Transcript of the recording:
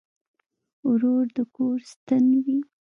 ورور د کور ستن وي.